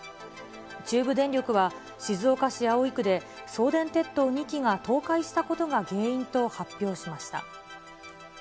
中部電力は、静岡市葵区で、送電鉄塔２基が倒壊したことが原因と発表しました。